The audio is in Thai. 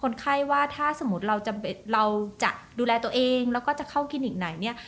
คนไข้ว่าถ้าสมมุติเราจะดูแลตัวเองแล้วก็จะเข้าคลินิกไหนเนี่ย